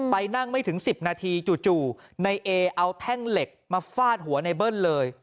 นั่งไม่ถึง๑๐นาทีจู่ในเอเอาแท่งเหล็กมาฟาดหัวในเบิ้ลเลย